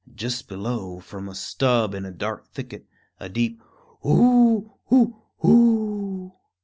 Just below, from a stub in a dark thicket, a deep _Whooo hoo hoo!